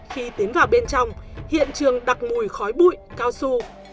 khi tiến vào bên trong hiện trường đặt mùi khói bụi cao su